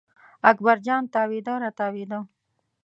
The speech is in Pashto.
اکبر جان تاوېده را تاوېده.